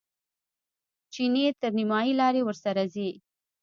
چیني تر نیمایي لارې ورسره ځي.